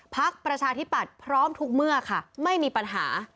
พักประชาธิปัตย์พร้อมทุกเมื่อค่ะไม่มีปัญหา